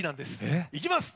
いきます！